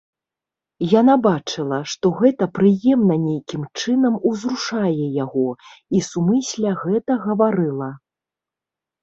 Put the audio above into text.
Яна бачыла, што гэта прыемна нейкім чынам узрушае яго, і сумысля гэта гаварыла.